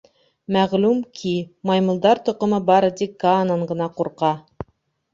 Мәғлүм ки: Маймылдар Тоҡомо бары тик Каанан ғына ҡурҡа.